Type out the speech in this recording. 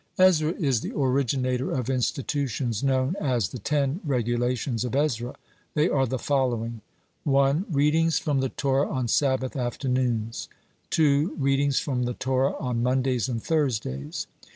(45) Ezra is the originator of institutions known as "the ten regulations of Ezra." They are the following: 1. Readings from the Torah on Sabbath afternoons. 2. Readings from the Torah on Mondays and Thursdays.